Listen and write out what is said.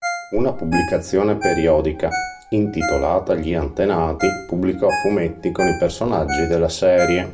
Una pubblicazione periodica, intitolata Gli Antenati pubblicò fumetti con i personaggi della serie.